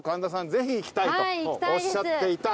ぜひ行きたいとおっしゃっていた。